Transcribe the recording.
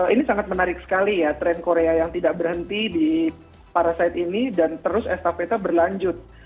ini sangat menarik sekali ya tren korea yang tidak berhenti di parasite ini dan terus estafetnya berlanjut